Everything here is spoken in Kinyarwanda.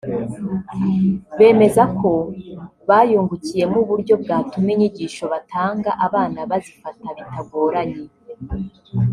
bemeza ko bayungukiyemo uburyo bwatuma inyigisho batanga abana bazifata bitagoranye